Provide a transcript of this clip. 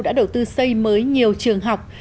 đã đầu tư xây mới nhiều trường học